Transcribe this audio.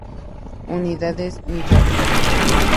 Unidades: millares.